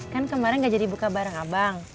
kan kemarin nggak jadi buka bareng abang